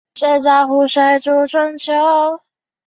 成为社会的一部分